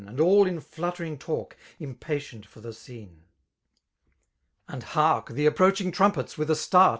And all in fluttering talk, impatient for the ^cene. And hark ! the approaching trumpets^ with a start.